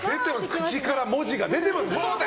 口から文字が出てます。